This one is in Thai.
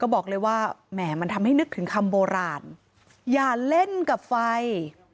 บอกเลยว่าแหม่มันทำให้นึกถึงคำโบราณอย่าเล่นกับไฟ